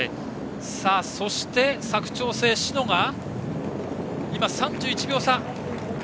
そして佐久長聖、篠が３１秒差。